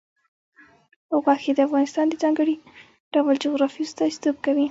غوښې د افغانستان د ځانګړي ډول جغرافیه استازیتوب کوي.